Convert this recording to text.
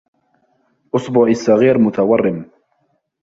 اصبعي الصغير متورم